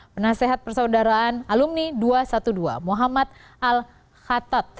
penasehat persaudaraan alumni dua ratus dua belas muhammad al khattad